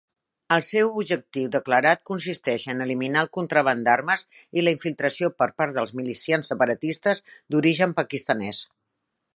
El seu objectiu declarat consisteix en eliminar el contraban d'armes i la infiltració per part dels milicians separatistes d'origen pakistanès.